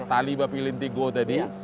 talibah pilih tiga